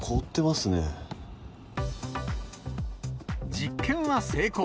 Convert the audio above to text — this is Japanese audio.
実験は成功。